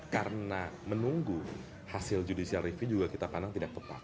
karena menunggu hasil judicial review juga kita pandang tidak tepat